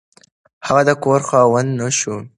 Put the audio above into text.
هغه د کور خاوند نه شو.